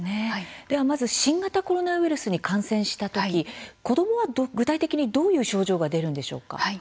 では、まず新型コロナウイルスに感染したとき子どもは具体的にどういう症状が出るんでしょうか？